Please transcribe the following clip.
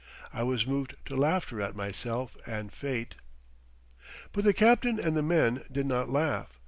I was moved to laughter at myself and fate. But the captain and the men did not laugh.